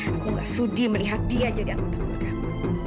aku nggak sudi melihat dia jadi angkotan keluarga aku